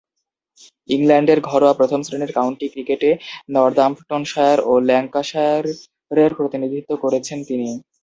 ইংল্যান্ডের ঘরোয়া প্রথম-শ্রেণীর কাউন্টি ক্রিকেটে নর্দাম্পটনশায়ার ও ল্যাঙ্কাশায়ারের প্রতিনিধিত্ব করেছেন তিনি।